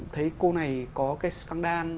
thấy cô này có cái scandal